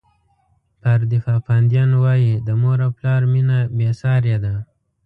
پاردیفا پاندین وایي د مور او پلار مینه بې سارې ده.